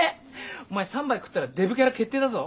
お前３杯食ったらデブキャラ決定だぞ。